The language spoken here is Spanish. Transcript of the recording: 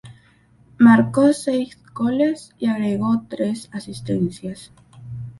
Marcó seis goles y agregó tres asistencias.